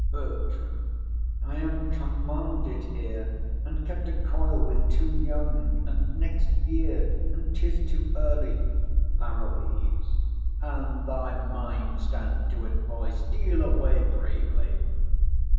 BERTRAM. I am commanded here, and kept a coil with, "Too young", and "the next year" and "'tis too early". PAROLLES. An thy mind stand to't, boy, steal away bravely.